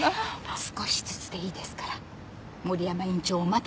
少しずつでいいですから森山院長をまともに。